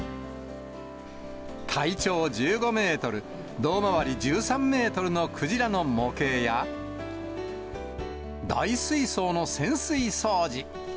体長１５メートル、胴回り１３メートルの鯨の模型や、大水槽の潜水掃除。